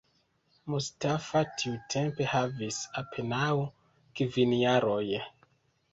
Mustafa tiutempe havis apenaŭ kvin jaroj.